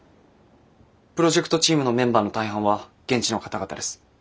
プロジェクトチームのメンバーの大半は現地の方々です。